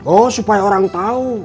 oh supaya orang tahu